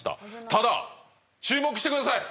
ただ注目してください！